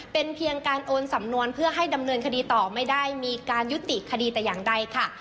เป็นเพียงการโอนสำนวนเพื่อให้ดำเนินคดีต่อไม่ได้มีการยุติคดีแต่อย่างใดค่ะ